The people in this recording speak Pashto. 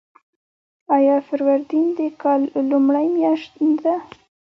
آیا فروردین د کال لومړۍ میاشت نه ده؟